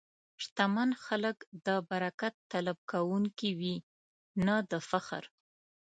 شتمن خلک د برکت طلب کوونکي وي، نه د فخر.